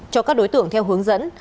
cho các đối tượng theo hướng dẫn